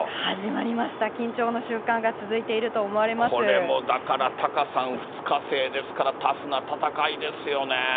緊張の瞬間が続いていると思われこれもだからタカさん、２日制ですから、タフな戦いですよね。